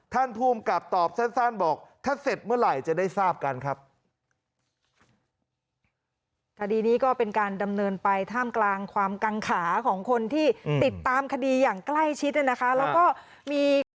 ท่านภูมิกับตอบสั้นบอกถ้าเสร็จเมื่อไหร่จะได้ทราบกันครับ